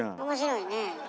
面白いね。